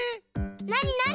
なになに？